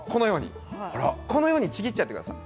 このようにちぎっちゃってください。